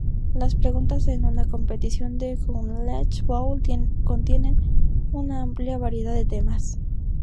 Las preguntas en una competición de "Knowledge Bowl" contienen una amplia variedad de temas.